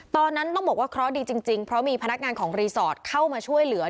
ตอนนั้นต้องบอกว่าเคราะห์ดีจริงเพราะมีพนักงานของรีสอร์ทเข้ามาช่วยเหลือ